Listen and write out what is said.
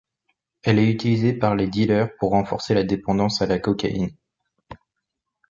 Elle est utilisée par les dealers pour renforcer la dépendance à la cocaïne.